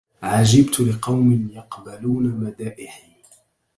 عجبت لقوم يقبلون مدائحي